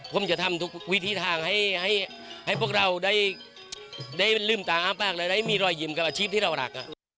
ผมจะทำทุกวิธีทางให้พวกเราได้ลืมตาอ้าปากแล้วได้มีรอยยิ้มกับอาชีพที่เรารัก